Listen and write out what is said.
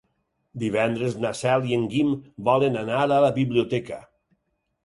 Divendres na Cel i en Guim volen anar a la biblioteca.